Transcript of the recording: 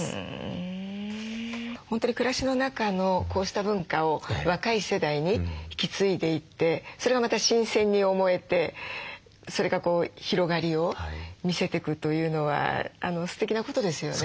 本当に暮らしの中のこうした文化を若い世代に引き継いでいってそれがまた新鮮に思えてそれが広がりを見せていくというのはすてきなことですよね。